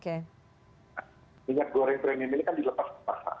premium dengan minyak goreng curah